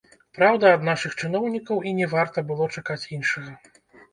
Праўда, ад нашых чыноўнікаў і не варта было чакаць іншага.